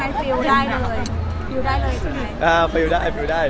พี่พอร์ตทานสาวใหม่พี่พอร์ตทานสาวใหม่